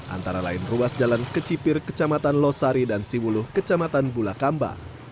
antara lain ruas jalan kecipir kecamatan losari dan siwuluh kecamatan bulakamba